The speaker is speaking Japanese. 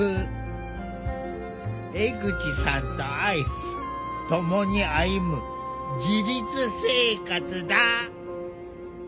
江口さんとアイス共に歩む自立生活だ。